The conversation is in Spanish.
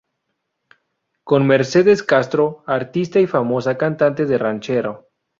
Con Mercedes Castro, artista y famosa cantante de ranchero.